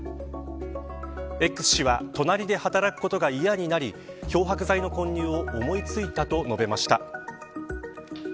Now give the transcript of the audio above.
Ｘ氏は隣で働くことが嫌になり漂白剤の混入を思いついたと述べました。